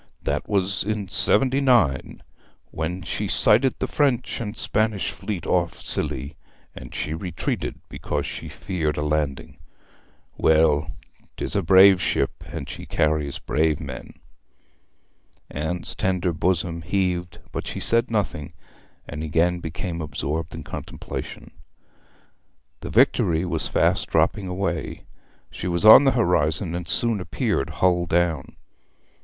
That was in seventy nine, when she sighted the French and Spanish fleet off Scilly, and she retreated because she feared a landing. Well, 'tis a brave ship and she carries brave men!' Anne's tender bosom heaved, but she said nothing, and again became absorbed in contemplation. The Victory was fast dropping away. She was on the horizon, and soon appeared hull down.